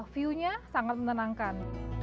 view nya sangat menenangkan